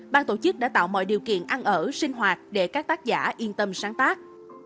ban tổ chức đã tạo mọi điều kiện ăn ở sinh hoạt để các tác giả yên tâm sáng tác